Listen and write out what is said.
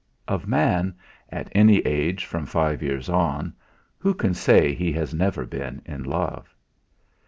Of man at any age from five years on who can say he has never been in love?